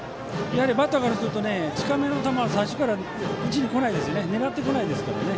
やはりバッターからすると近めの球は最初から打ちにこないですね。